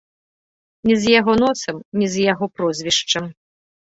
Не з яго носам, не з яго прозвішчам.